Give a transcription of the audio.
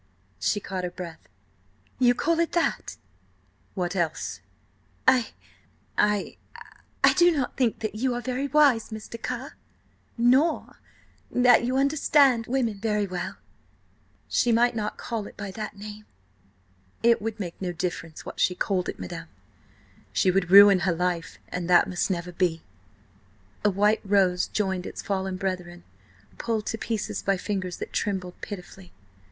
She caught her breath. "You call it that!" "What else?" "I ... I ... I do not think that you are very wise, Mr. Carr. Nor ... that you ... understand women ... very well. She might not call it by that name." "It would make no difference what she called it, madam. She would ruin her life, and that must never be." A white rose joined its fallen brethren, pulled to pieces by fingers that trembled pitifully.